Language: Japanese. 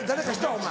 お前。